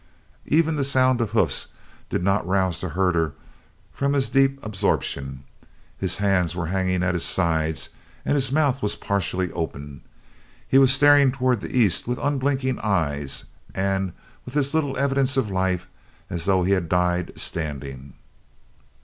Even the sound of hoofs did not rouse the herder from his deep absorption. His hands were hanging at his sides, and his mouth was partially open. He was staring towards the east with unblinking eyes, and with as little evidence of life as though he had died standing.